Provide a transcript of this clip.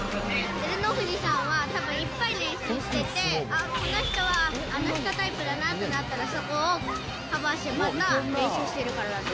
照ノ富士さんはたぶんいっぱい練習してて、あっ、この人はあの人タイプだなってなったら、そこをカバーして、また練習してるから。